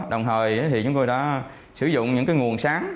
đồng thời thì chúng tôi đã sử dụng những nguồn sáng